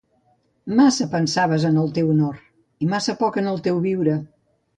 Massa pensaves en el teu honor i massa poc en el teu viure.